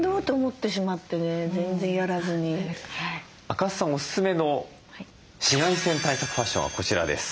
赤須さんおすすめの紫外線対策ファッションはこちらです。